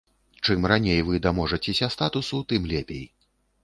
Чым раней вы даможацеся статусу, тым лепей.